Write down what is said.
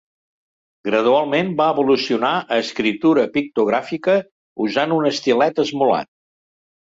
Gradualment va evolucionar a escriptura pictogràfica usant un estilet esmolat.